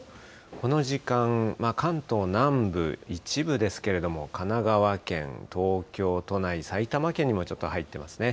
この時間、関東南部、一部ですけれども、神奈川県、東京都内、埼玉県にもちょっと入ってますね。